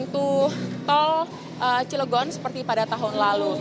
yaitu tol cilegon seperti pada tahun lalu